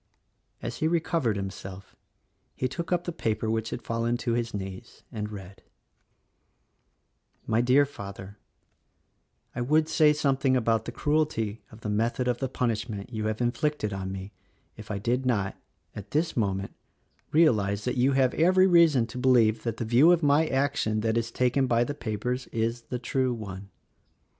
As he recovered himself he took up the paper which had fallen to his knees and read: "My Dear Father: — I would say something about the cruelty of the method of the punishment you have inflicted on me if I did not, at this moment, realize that you have every reason to believe that the view of my action that is taken by the papers, is the true one.